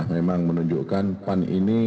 memang menunjukkan pan ini